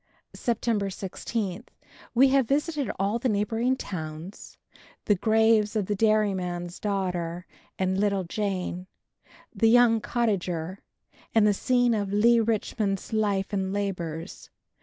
September 16. We have visited all the neighboring towns, the graves of the Dairyman's daughter and little Jane, the young cottager, and the scene of Leigh Richmond's life and labors.